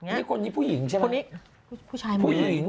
นี่คนนี้ผู้หญิงใช่มะผู้หญิงผู้หญิงผู้หญิงผู้หญิง